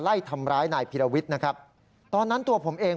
เพราะถูกทำร้ายเหมือนการบาดเจ็บเนื้อตัวมีแผลถลอก